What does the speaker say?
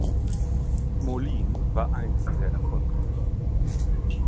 Molin war einst sehr erfolgreich.